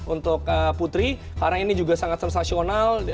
untuk putri karena ini juga sangat sensasional